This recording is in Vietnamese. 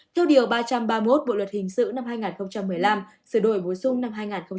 theo điều ba trăm ba mươi một bộ luật hình sự năm hai nghìn một mươi năm sửa đổi bổ sung năm hai nghìn một mươi bảy